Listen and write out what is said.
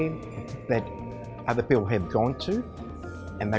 kalau alamanya berbeda bisa dipastikan itu dia ilegal